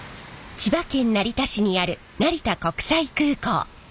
千葉県成田市にある成田国際空港。